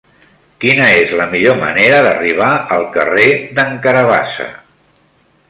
Quina és la millor manera d'arribar al carrer d'en Carabassa?